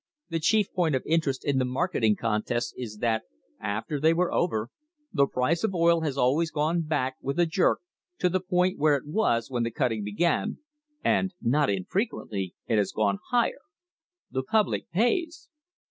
the chief point of interest in the marketing contests is that, after they were over, the price of oil has always gone back with a jerk to the point where it was when the cutting began, and not infrequently it has gone higher the public pays.